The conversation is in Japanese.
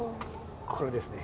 これですね。